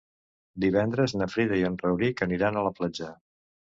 Divendres na Frida i en Rauric aniran a la platja.